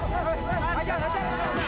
hantuk diri semua